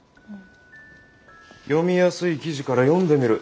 読みやすい記事から読んでみる。